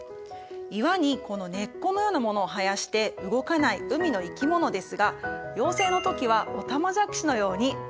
岩にこの根っこのようなものを生やして動かない海の生き物ですが幼生の時はオタマジャクシのように泳ぐんです。